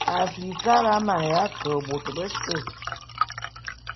Afrikara a maneya ke bôt bese.